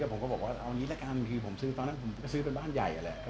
ผมก็บอกว่าเอานี้แล้วกันคือผมซื้อนั้นก็ซื้อบ้านใหญ่อะแหละ